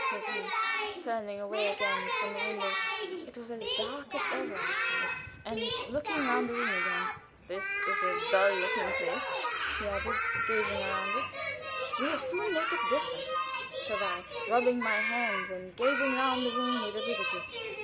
said he, turning away again from the window it was as dark as ever outside and looking round the room again. "This is a dull looking place," he added, gazing around it. "We'll soon make it different," said I, rubbing my hands and gazing round the room with avidity.